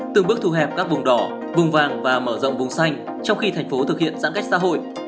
từng bước thu hẹp các vùng đỏ vùng vàng và mở rộng vùng xanh trong khi thành phố thực hiện giãn cách xã hội